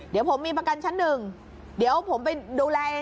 เดี๋ยวผมมีประกันชั้น๑เดี๋ยวผมไปดูแลเอง